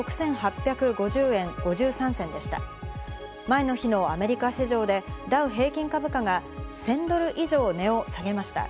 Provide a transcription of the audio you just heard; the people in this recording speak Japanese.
前の日のアメリカ市場でダウ平均株価が１０００ドル以上値を下げました。